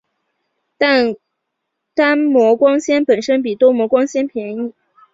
但单模光纤本身比多模光纤便宜。